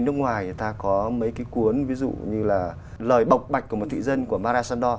hay nước ngoài người ta có mấy cái cuốn ví dụ như là lời bọc bạch của một thị dân của mara sandor